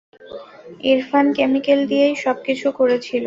Irfan chemical দিয়েই সবকিছু করেছিল।